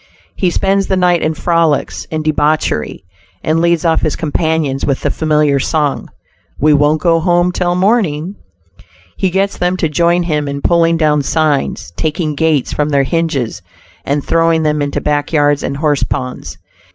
He spends the night in frolics and debauchery, and leads off his companions with the familiar song, "we won't go home till morning." He gets them to join him in pulling down signs, taking gates from their hinges and throwing them into back yards and horse ponds.